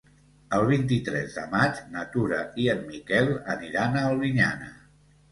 El vint-i-tres de maig na Tura i en Miquel aniran a Albinyana.